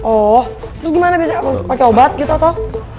oh terus gimana pake obat gitu atau